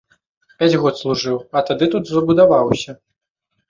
Пяць год служыў, а тады тут забудаваўся.